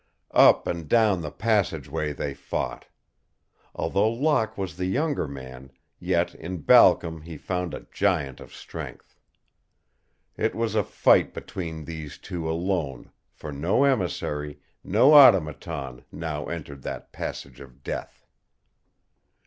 Up and down the passageway they fought. Although Locke was the younger man, yet in Balcom he found a giant of strength. It was a fight between these two alone, for no emissary, no Automaton, now entered that passage of death.